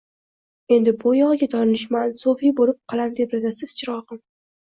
Endi bu yog‘iga donishmand, so‘fiy bo‘lib qalam tebratasiz, chirog‘im.